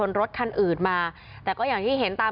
กระทั่งตำรวจก็มาด้วยนะคะ